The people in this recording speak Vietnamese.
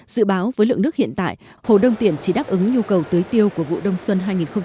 dự báo với lượng nước hiện tại hồ đông tiền chỉ đáp ứng nhu cầu tưới tiêu của vụ đông xuân hai nghìn hai mươi hai nghìn hai mươi